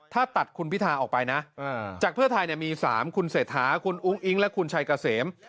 ถ้าตัดคุณพิธาออกไปนะจากเพื่อไทยมี๓คุณเศรษฐาคุณอุ้งอิ๊งและคุณชัยเกษม